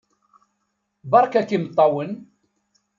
Beṛka-k imeṭṭawen!